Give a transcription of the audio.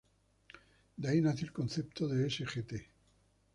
De ahí nació el concepto de "Sgt.